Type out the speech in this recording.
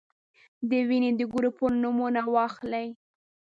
د وینې د ګروپونو نومونه واخلئ.